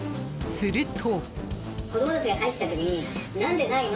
すると。